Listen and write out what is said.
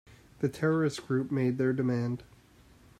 The terrorist group made their demand.